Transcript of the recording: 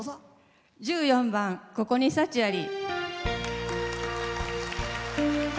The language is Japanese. １４番「ここに幸あり」。